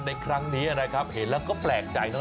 ในครั้งนี้นะครับเห็นแล้วก็แปลกใจเนอ